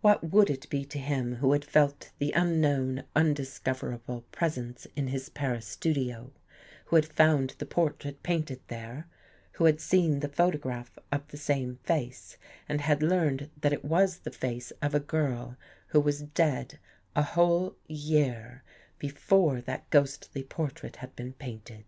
What would it be to him who had felt the unknown, undiscover able presence in his Paris studio ; who had found the portrait painted there, who had seen the photograph of the same face and had learned that it was the face of a girl who was dead a whole year before that ghostly portrait had been painted?